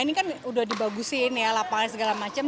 ini kan udah dibagusin ya lapangan segala macem